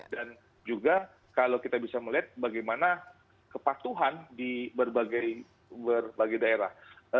dan juga kalau kita bisa melihat bagaimana kepatuhan di berbagai daerah